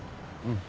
うん。